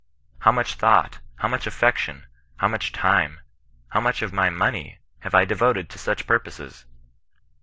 How much thought, how much €0^ection, how much time, how much of my monev, have Idevoted to such purposes